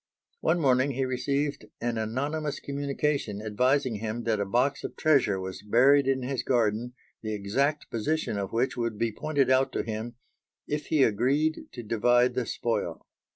One morning he received an anonymous communication advising him that a box of treasure was buried in his garden the exact position of which would be pointed out to him, if he agreed to divide the spoil.